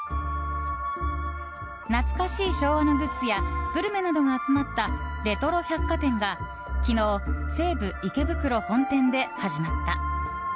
懐かしい昭和のグッズやグルメなどが集まったレトロ百貨展が昨日、西武池袋本店で始まった。